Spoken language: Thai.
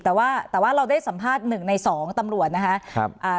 แต่ว่าแต่ว่าเราได้สัมภาษณ์หนึ่งในสองตำรวจนะคะครับอ่า